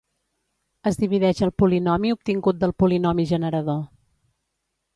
Es divideix el polinomi obtingut pel polinomi generador.